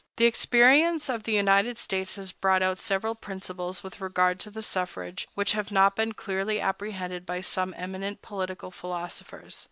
The experience of the United States has brought out several principles with regard to the suffrage which have not been clearly apprehended by some eminent political philosophers.